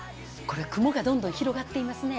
雲がどんどん広がっていますね。